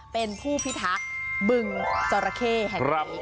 เป็นผู้พิทักษ์บึงจราเข้แห่งนี้